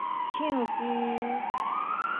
唱機